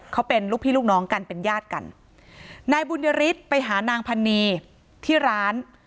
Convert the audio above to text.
เขาเป็นลูกพี่ลูกน้องกันเป็นญาติกันนายบุญยฤทธิ์ไปหานางพันนีที่ร้าน